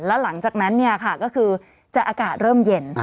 แล้วหลังจากนั้นเนี่ยค่ะก็คือจะอากาศเริ่มเย็น